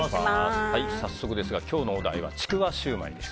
早速ですが今日のお題はちくわシューマイです。